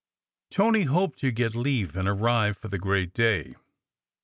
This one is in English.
Tony hoped to get leave and arrive for "the great day."